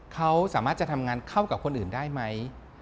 เขาสามารถจะทำงานเข้ากับคนอื่นได้ไหม